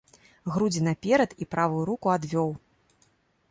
Грудзі наперад і правую руку адвёў.